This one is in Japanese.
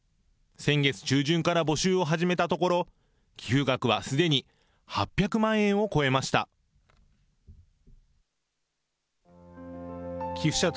先月中旬から募集を始めたところ、寄付額はすでに８００万円を超えました。